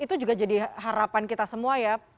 itu juga jadi harapan kita semua ya